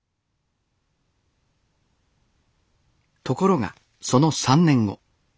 ところがその３年後。